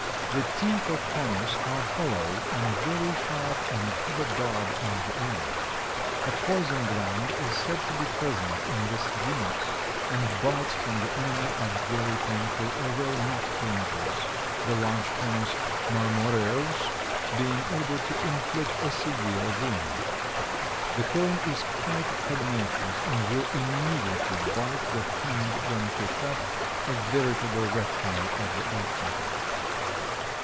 The teeth of Conus are hollow and very sharp and have a barb on the end. A poison gland is said to be present in this genus and bites from the animal are very painful, although not dangerous, the large Conus marmoreus being able to inflict a severe wound. The cone is quite pugnacious and will immediately bite the hand when picked up, a veritable reptile of the ocean.